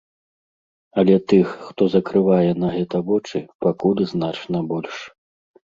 Але тых, хто закрывае на гэта вочы, пакуль значна больш.